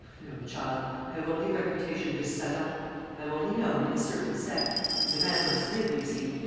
"No, child; I have only a reputation de salon, I am only known in a certain set. And a man must live, you see.